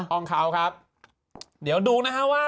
ห้องเขาครับเดี๋ยวดูนะฮะว่า